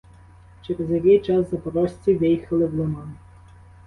Через який час запорожці виїхали в лиман.